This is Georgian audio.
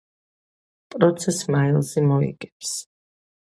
პროცესს მაილზი მოიგებს.